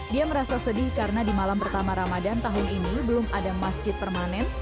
dia merasa sedih karena di malam pertama ramadan tahun ini belum ada masjid permanen